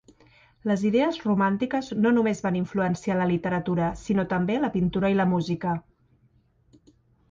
Les idees romàntiques no només van influenciar la literatura, sinó també la pintura i la música.